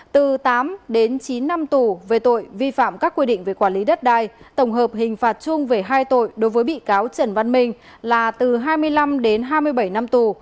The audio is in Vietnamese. từ tám đến chín năm tù về tội vi phạm các quy định về quản lý đất đai tổng hợp hình phạt chung về hai tội đối với bị cáo trần văn minh là từ hai mươi năm đến hai mươi bảy năm tù